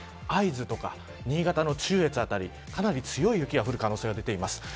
会津とか新潟の中越辺りかなり強い雪が降る可能性が出ています。